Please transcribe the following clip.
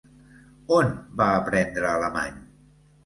On va aprendre alemany?